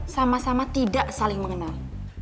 sama sama tidak saling mengenal